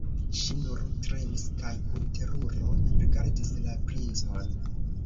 Ŝi nur tremis kaj kun teruro rigardis la princon.